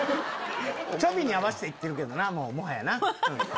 チョビに合わして行ってるけどなもはやな。